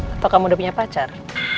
atau kamu udah punya pacar